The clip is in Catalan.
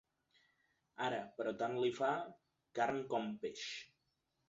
Ara, però, tant li fa carn com peix.